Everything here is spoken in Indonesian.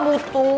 gue gak butuh